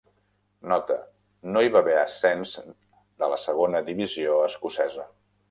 Nota: no hi va haver ascens de la Segona Divisió escocesa.